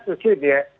ya saya susul itu ya